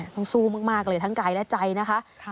ต้องสู้มากเลยทั้งกายและใจนะคะ